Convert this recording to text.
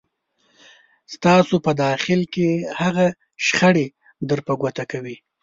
ستاسو په داخل کې هغه شخړې در په ګوته کوي.